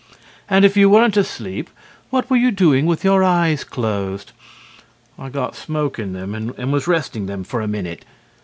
And if you weren't asleep what were you doing with your eyes closed? HUSBAND: I got smoke in them and was resting them for a minute.